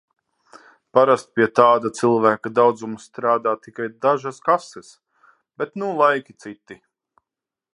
Parasti pie tāda cilvēku daudzuma strādā tikai dažas kases, bet nu laiki citi.